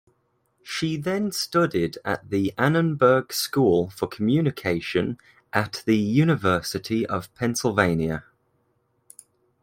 She then studied at the Annenberg School for Communication at the University of Pennsylvania.